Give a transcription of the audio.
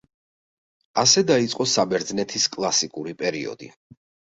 ასე დაიწყო საბერძნეთის კლასიკური პერიოდი.